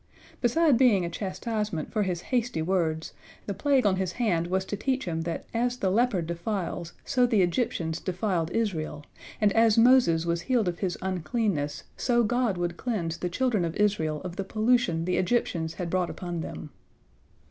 Beside being a chastisement for his hasty words, the plague on his hand was to teach him that as the leper defiles, so the Egyptians defiled Israel, and as Moses was healed of his uncleanness, so God would cleanse the children of Israel of the pollution the Egyptians had brought upon them.